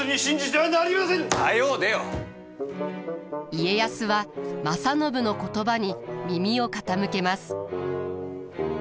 家康は正信の言葉に耳を傾けます。